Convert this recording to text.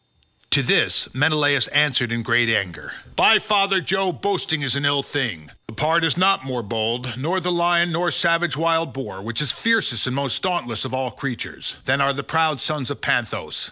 To this Menelaus answered in great anger "By father Jove, boasting is an ill thing. The pard is not more bold, nor the lion nor savage wild boar, which is fiercest and most dauntless of all creatures, than are the proud sons of Panthous.